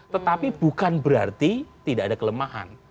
tetapi bukan berarti tidak ada kelemahan